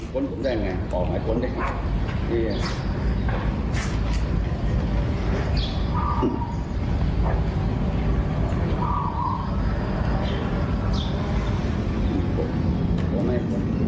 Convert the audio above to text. กลับไปเลยไป